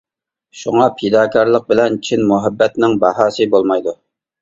شۇڭا پىداكارلىق بىلەن چىن مۇھەببەتنىڭ باھاسى بولمايدۇ.